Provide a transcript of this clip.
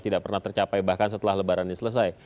tidak pernah tercapai bahkan setelah lebaran ini selesai